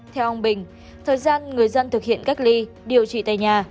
theo ông bình thời gian người dân thực hiện cách ly điều trị tại nhà